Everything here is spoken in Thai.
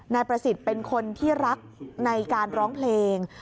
นายประสิทธิ์เป็นคนที่รักในการร้องเพลง